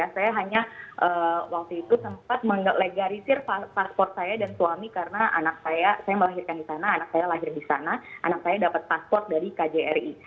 saya hanya waktu itu sempat melegarisir paspor saya dan suami karena anak saya saya melahirkan di sana anak saya lahir di sana anak saya dapat paspor dari kjri